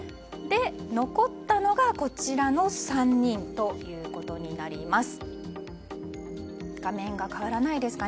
残ったのが、こちらの３人ということになります。